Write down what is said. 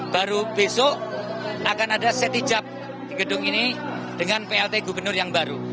baru besok akan ada setijab di gedung ini dengan plt gubernur yang baru